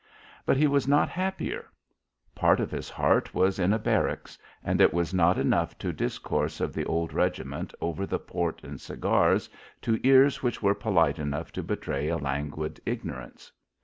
But he was not happier. Part of his heart was in a barracks, and it was not enough to discourse of the old regiment over the port and cigars to ears which were polite enough to betray a languid ignorance.